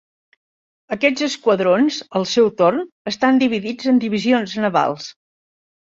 Aquests esquadrons al seu torn estan dividits en divisions navals.